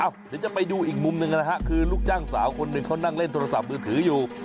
เดี๋ยวจะไปดูอีกมุมหนึ่งนะฮะคือลูกจ้างสาวคนหนึ่งเขานั่งเล่นโทรศัพท์มือถืออยู่